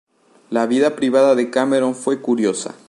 La vida privada de Cameron fue curiosa.